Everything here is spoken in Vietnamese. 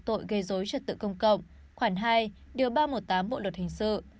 tội gây dối trật tự công cộng khoảng hai điều ba trăm một mươi tám bộ luật hình sự